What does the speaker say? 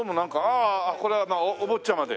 ああこれはお坊ちゃまで。